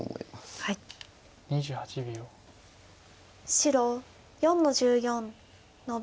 白４の十四ノビ。